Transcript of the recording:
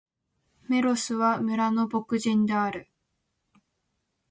メロスは、村の牧人である。